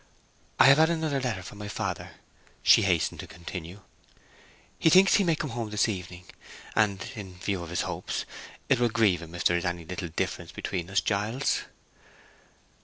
"I have had another letter from my father," she hastened to continue. "He thinks he may come home this evening. And—in view of his hopes—it will grieve him if there is any little difference between us, Giles."